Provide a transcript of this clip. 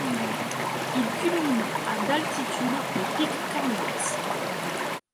Il culmine à d'altitude au pic Karl Marx.